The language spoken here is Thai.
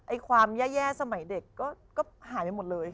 ความแย่สมัยเด็กก็หายไปหมดเลย